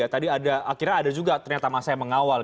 tadi ada akhirnya ada juga ternyata masa yang mengawal